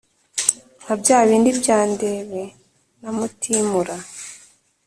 nka bya bindi bya ndebe na mutimura